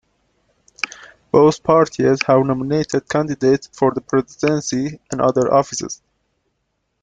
Both parties have nominated candidates for the presidency and other offices.